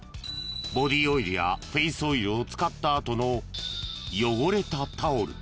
［ボディオイルやフェイスオイルを使った後の汚れたタオル］